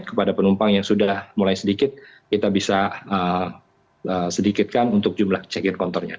kepada penumpang yang sudah mulai sedikit kita bisa sedikitkan untuk jumlah check in counternya